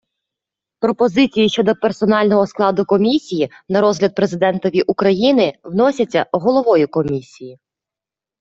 Пропозиції щодо персонального складу Комісії на розгляд Президентові України вносяться головою Комісії.